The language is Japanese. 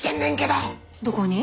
どこに？